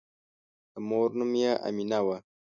د مور نوم یې آمنه وه.